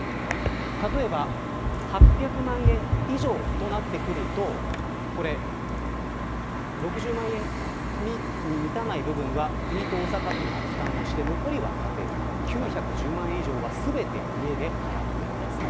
例えば８００万円以上となってくると６０万円に満たない部分は国と大阪府が負担をして残りが家庭負担９１０万円以上は全て、家で払ってください。